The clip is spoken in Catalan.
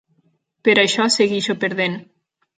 Per això segueixo perdent.